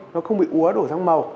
nó không bị úa đổi sang màu